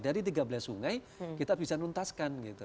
dari tiga belas sungai kita bisa nuntaskan gitu